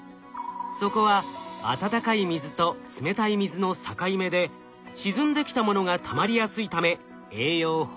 そこは温かい水と冷たい水の境目で沈んできたものがたまりやすいため栄養豊富な場所です。